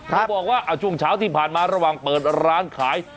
เขาบอกว่าช่วงเช้าที่ผ่านมาระหว่างเปิดร้านขาย